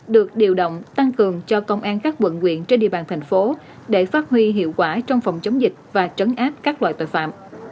được điều động tăng cường cho công an các quận quyện trên địa bàn thành phố để phát huy hiệu quả trong phòng chống dịch và trấn áp các loại tội phạm